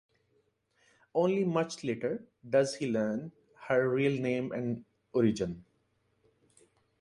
Only much later does he learn her real name and origin.